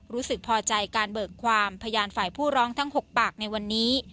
รู้สึกพอใจการเบิกความพยานฝ่ายผู้ร้องทั้ง๖ปากในวันนี้